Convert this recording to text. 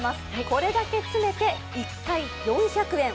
これだけ詰めて１回４００円。